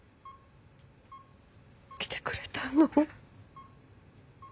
来てくれたの？